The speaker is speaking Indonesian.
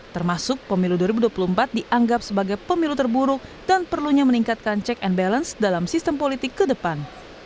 termasuk pemilu dua ribu dua puluh empat dianggap sebagai pemilu terburuk dan perlunya meningkatkan check and balance dalam sistem politik ke depan